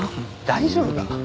大丈夫か？